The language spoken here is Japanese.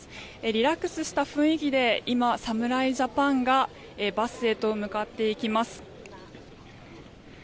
リラックスした雰囲気で今、侍ジャパンがバスへと向かっていきます。